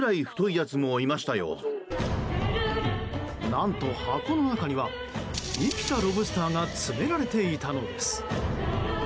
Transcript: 何と箱の中には生きたロブスターが詰められていたのです。